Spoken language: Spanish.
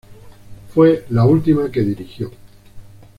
Fue la última que dirigió.